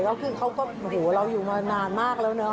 แล้วคือเขาก็โอ้โหเราอยู่มานานมากแล้วเนอะ